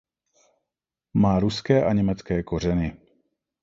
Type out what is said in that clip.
Má ruské a německé kořeny.